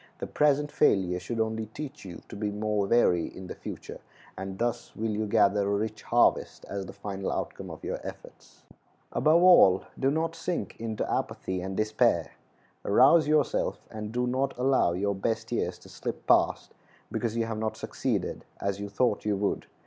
The present failure should only teach you to be more wary in the future, and thus will you gather a rich harvest as the final outcome of your efforts. Above all, do not sink into apathy and despair. Rouse yourself, and do not allow your best years to slip past because you have not succeeded as you thought you would.